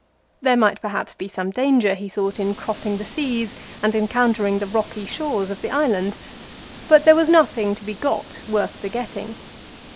There might perhaps be some danger, he thought, in crossing the seas and encountering the rocky shores of the island, but there was nothing to be got worth the getting.